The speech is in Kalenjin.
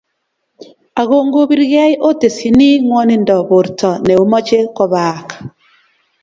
Ako ngobirkei otesyini ngwonindo borto neomoche kobaak